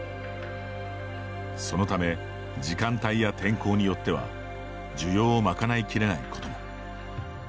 そのため時間帯や天候によっては需要を賄いきれないことも。